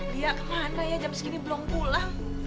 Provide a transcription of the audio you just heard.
dia kemana ya jam segini belum pulang